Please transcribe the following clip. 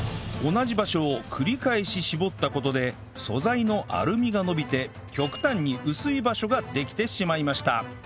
同じ場所を繰り返し絞った事で素材のアルミが伸びて極端に薄い場所ができてしまいました